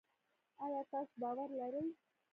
آیا تاسو باور لرئ؟